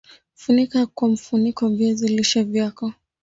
funika kwa mfuniko viazi lishe vyako